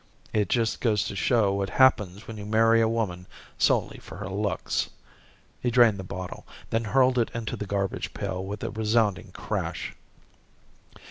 "It just goes to show what happens when you marry a woman solely for her looks." He drained the bottle; then hurled it into the garbage pail with a resounding crash.